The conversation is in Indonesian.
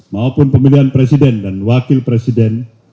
maupun pemilihan presiden dan wakil presiden